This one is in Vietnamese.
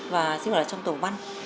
và sinh hoạt ở trong tổ văn